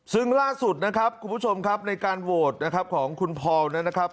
ซึ่งล่าสุดนะครับคุณผู้ชมครับในการโหวตนะครับของคุณพอลนั้นนะครับ